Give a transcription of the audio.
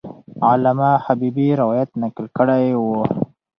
علامه حبیبي روایت نقل کړی وو.